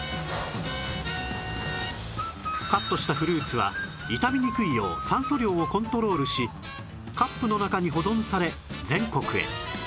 カットしたフルーツは傷みにくいよう酸素量をコントロールしカップの中に保存され全国へ